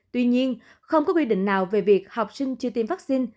tuy nhiên không có quy định nào về việc học sinh chưa tiêm vaccine